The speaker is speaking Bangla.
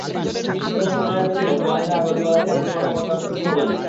শিক্ষা মন্ত্রণালয়ের পেছনে তোয়ালে দেওয়া গদিওয়ালা চেয়ারের কর্মকর্তার কিছু হবে না।